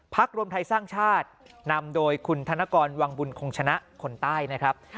รวมไทยสร้างชาตินำโดยคุณธนกรวังบุญคงชนะคนใต้นะครับ